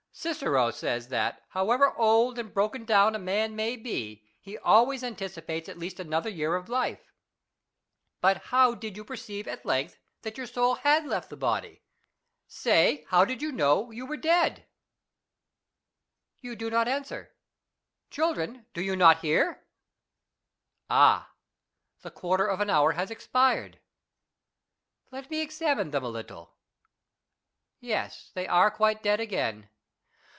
Cicero says "^ that, however old and broken down a man may be, he always anticipates at least another year of life. But how did you perceive at length that your soul had left the body ? Say, how did you know you were 1 De Senectute. ii6 FREDERICK RUYSCH AND HIS MUMMIES. dead ?... You do not answer. Children, do you not hear ?... Ah, the quarter of an hour has expired. Let me examine them a little. Yes, they are quite dead again.